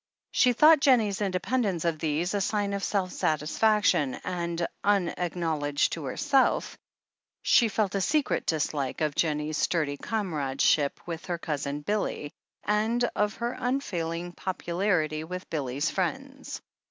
She thought Jennie's independence of these a sign of self satisfaction, and, unacknowledged to herself, she felt a secret dislike of Jennie's sturdy comradeship with her Cousin Billy, and of her unfailing popularity with Billy's friends.